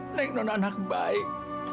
nek nona anak baik